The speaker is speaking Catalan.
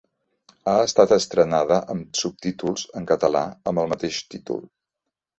Ha estat estrenada amb subtítols en català, amb el mateix títol.